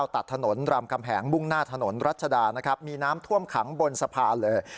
ตัดถนนรำคำแหงมุ่งหน้าถนนรัชดานะครับมีน้ำท่วมขังบนสะพานเลย